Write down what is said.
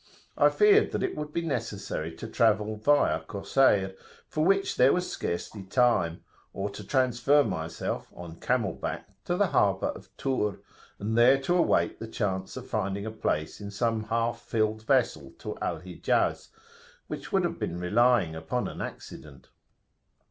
I feared that it would be necessary to travel via Cosseir, for which there was scarcely time, or to transfer myself on camel back to the harbour of Tur, and there to await the chance of finding a place in some half filled vessel to Al Hijaz, which would have been relying upon an accident.